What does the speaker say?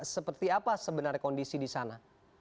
seperti apa sebenarnya kondisi di sana